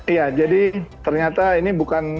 iya jadi ternyata ini bukan